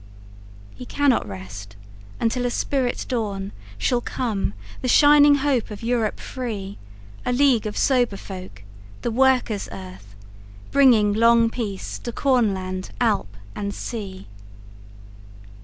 He cannot rest until a spirit dawnShall come;—the shining hope of Europe free:A league of sober folk, the Workers' Earth, Bringing long peace to Cornland, Alp and Sea.